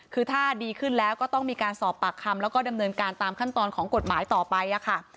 คือถ้าดีขึ้นแล้วก็ต้องมีการสอบปากคำแล้วก็ดำเนินการตามขั้นตอนของกฎหมายต่อไปค่ะ